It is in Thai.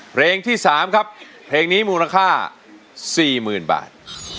เพลงที่๓ครับเพลงนี้มูลค่า๔๐๐๐บาท